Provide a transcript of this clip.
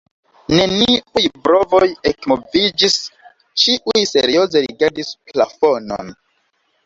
Neniuj brovoj ekmoviĝis, ĉiuj serioze rigardis plafonon.